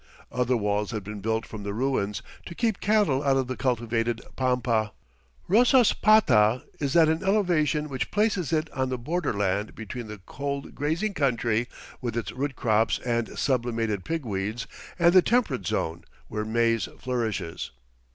Other walls had been built from the ruins, to keep cattle out of the cultivated pampa. Rosaspata is at an elevation which places it on the borderland between the cold grazing country, with its root crops and sublimated pigweeds, and the temperate zone where maize flourishes.